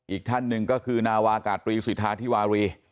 อีกท่านหนึ่งก็คือนาวากาศตรีสิทธาธิวารี